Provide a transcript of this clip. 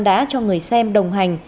đã cho người xem đồng hành